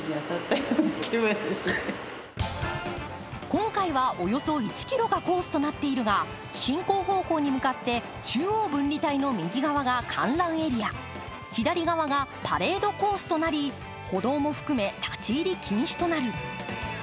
今回はおよそ１ｋｍがコースとなっているが、進行方向に向かって中央分離帯の右側が観覧エリア、左側がパレードコースとなり歩道も含め立ち入り禁止となる。